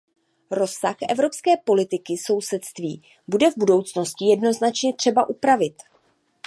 Rozsah Evropské politiky sousedství bude v budoucnosti jednoznačně třeba upravit.